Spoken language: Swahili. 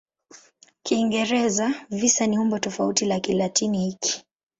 Kiingereza "visa" ni umbo tofauti la Kilatini hiki.